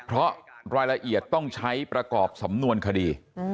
เพราะรายละเอียดต้องใช้ประกอบสำนวนคดี